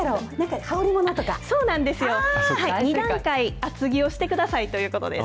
２段階厚着をしてくださいということです。